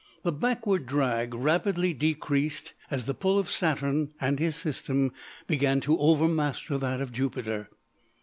The backward drag rapidly decreased as the pull of Saturn and his system began to overmaster that of Jupiter.